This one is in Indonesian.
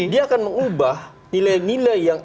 dia akan mengubah nilai nilai yang